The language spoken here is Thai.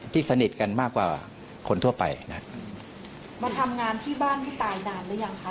สนิทกันมากกว่าคนทั่วไปนะครับมาทำงานที่บ้านที่ตายนานหรือยังคะ